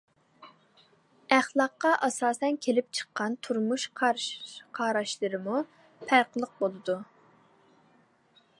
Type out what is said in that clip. ئەخلاققا ئاساسەن كېلىپ چىققان تۇرمۇش قاراشلىرىمۇ پەرقلىق بولىدۇ.